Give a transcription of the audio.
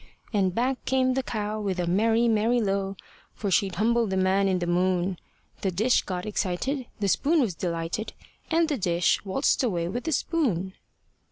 And back came the cow With a merry, merry low, For she'd humbled the man in the moon. The dish got excited, The spoon was delighted, And the dish waltzed away with the spoon.